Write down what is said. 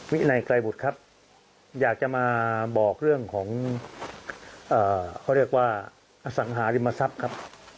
วินัยไกรบุตรครับอยากจะมาบอกเรื่องของเขาเรียกว่าอสังหาริมทรัพย์ครับ